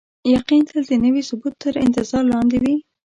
یقین تل د نوي ثبوت تر انتظار لاندې وي.